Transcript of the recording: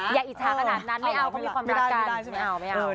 อย่าอิชชากนั้นนั้นไม่เอาไม่ได้จะเป็นคนมากกัน